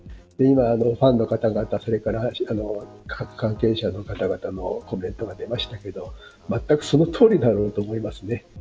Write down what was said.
ファンの方々や各関係者の方々のコメントが出ましたがまったく、そのとおりだろうと思います。